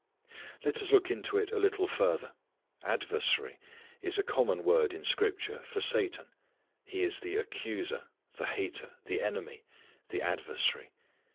Let us look into it a little further. "Adversary" is a common word in scripture for Satan. He is the accuser, the hater, the enemy, the adversary.